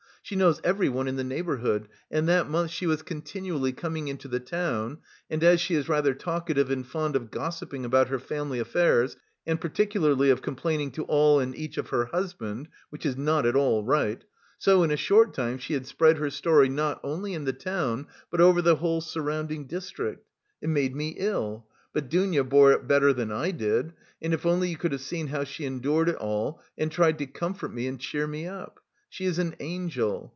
She knows everyone in the neighbourhood, and that month she was continually coming into the town, and as she is rather talkative and fond of gossiping about her family affairs and particularly of complaining to all and each of her husband which is not at all right so in a short time she had spread her story not only in the town, but over the whole surrounding district. It made me ill, but Dounia bore it better than I did, and if only you could have seen how she endured it all and tried to comfort me and cheer me up! She is an angel!